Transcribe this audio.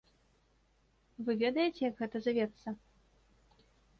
Вы ведаеце, як гэта завецца?